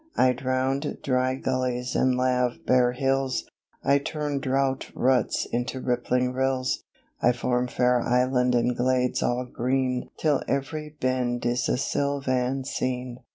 'I drown dry gullies and lave bare hills, I turn drought ruts into rippling rills I form fair island and glades all green Till every bend is a sylvan scene.